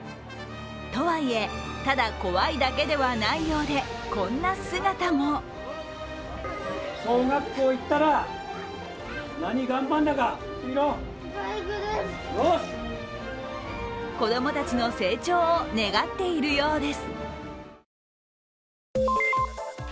とはいえ、ただ怖いだけではないようで、こんな姿も子供たちの成長を願っているようです。